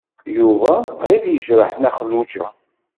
Yuba qrib yejreḥ Nna Xelluǧa.